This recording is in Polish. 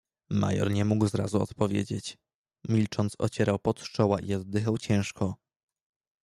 "Major nie mógł zrazu odpowiedzieć, milcząc ocierał pot z czoła i oddychał ciężko."